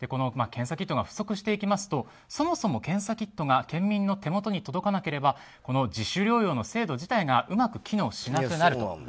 検査キットが不足していきますとそもそも検査キットが県民の手元に届かなければこの自主療養の制度自体がうまく機能しなくなると。